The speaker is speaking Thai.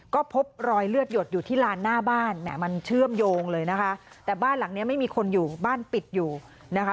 ก็พบรอยเลือดหยดอยู่ที่ลานหน้าบ้านแหมมันเชื่อมโยงเลยนะคะแต่บ้านหลังเนี้ยไม่มีคนอยู่บ้านปิดอยู่นะคะ